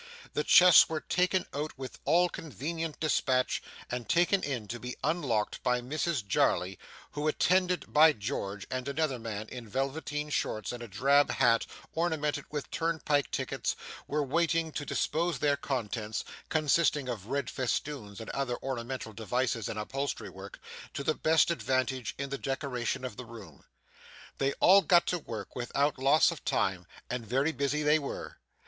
The chests were taken out with all convenient despatch, and taken in to be unlocked by Mrs Jarley, who, attended by George and another man in velveteen shorts and a drab hat ornamented with turnpike tickets, were waiting to dispose their contents (consisting of red festoons and other ornamental devices in upholstery work) to the best advantage in the decoration of the room. They all got to work without loss of time, and very busy they were.